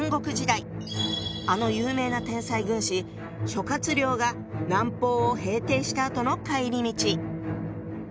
あの有名な天才軍師諸亮が南方を平定したあとの帰り道。